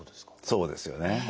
そうですよね。